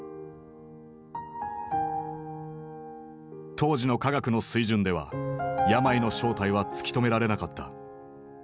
当時の科学の水準では病の正体は突き止められなかった。